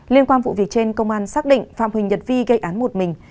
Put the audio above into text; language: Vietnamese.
liên quan vụ việc trên công an xác định phạm huỳnh nhật vi gây án một mình